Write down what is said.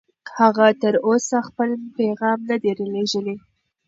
هغه تر اوسه خپل پیغام نه دی لېږلی.